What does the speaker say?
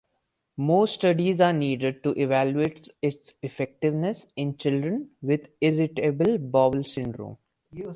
More studies are needed to evaluate its effectiveness in children with irritable bowel syndrome.